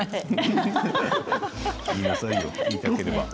言いなさいよ言いたければ。